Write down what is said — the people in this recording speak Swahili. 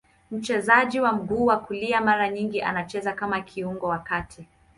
Mchezaji wa mguu ya kulia, mara nyingi anacheza kama kiungo wa kati.